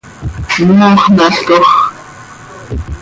mooxnalcoj.